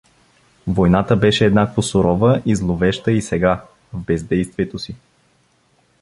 Войната беше еднакво сурова и зловеща и сега — в бездействието си.